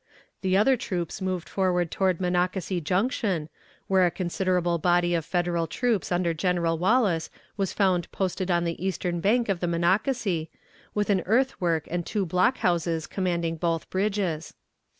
The other troops moved forward toward Monocacy Junction, where a considerable body of Federal troops under General Wallace was found posted on the eastern bank of the Monocacy, with an earthwork and two block houses commanding both bridges.